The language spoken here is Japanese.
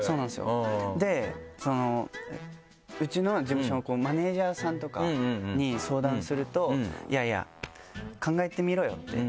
でそのうちの事務所のマネージャーさんとかに相談すると「いやいや考えてみろよ」って。